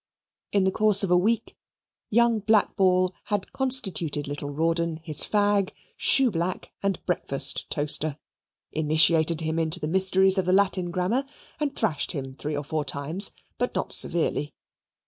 In the course of a week, young Blackball had constituted little Rawdon his fag, shoe black, and breakfast toaster; initiated him into the mysteries of the Latin Grammar; and thrashed him three or four times, but not severely.